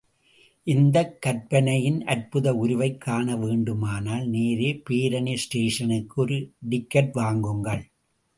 இந்தக் கற்பனையின் அற்புத உருவைக் காண வேண்டுமானால், நேரே பேரணி ஸ்டேஷனுக்கு ஒரு டிக்கட் வாங்குங்கள்.